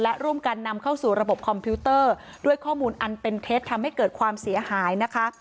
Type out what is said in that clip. และร่วมกันนำเข้าสู่ระบบคอมพิวเตอร์ด้วยข้อมูลอันเป็นเท็จทำให้เกิดความเสียหายนะคะ